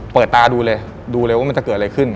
เปิดตาดูเลยดูเลยว่ามันจะเกิดอะไรขึ้น